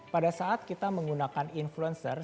pada saat kita menggunakan influencer